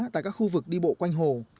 tại các khu vực đi bộ quanh hồ